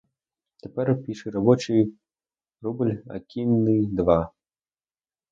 Тепер піший робочий — рубель, а кінний — два.